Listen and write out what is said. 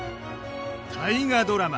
大河ドラマ